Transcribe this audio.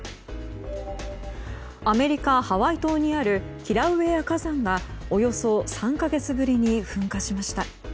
アメリカ・ハワイ島にあるキラウエア火山がおよそ３か月ぶりに噴火しました。